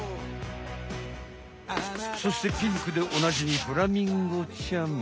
そしてピンクでおなじみフラミンゴちゃん。